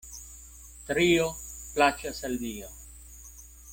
Trio plaĉas al Dio.